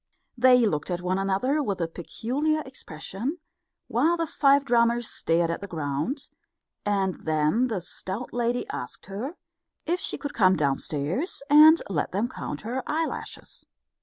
They looked at one another with a peculiar expression, while the five drummers stared at the ground; and then the stout lady asked her if she would come downstairs and let them count her eyelashes.